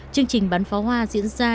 chương trình bắn phó hoa diễn ra